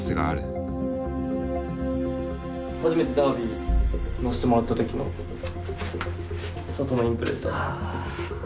初めてダービー乗せてもらった時のサトノインプレッサ。